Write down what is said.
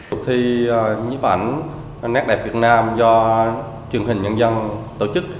cuộc thi nhiếp ảnh nét đẹp việt nam do truyền hình nhân dân tổ chức